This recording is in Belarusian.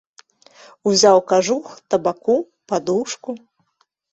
Узяў кажух, табаку, падушку.